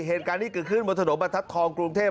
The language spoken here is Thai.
เหตุการณ์นี้เกิดขึ้นบนถนนบรรทัศนทองกรุงเทพ